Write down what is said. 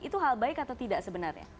itu hal baik atau tidak sebenarnya